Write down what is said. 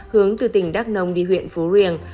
hướng từ tỉnh đắk nông đi huyện phú riềng